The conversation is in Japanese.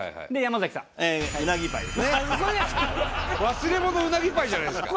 忘れ物うなぎパイじゃないですか。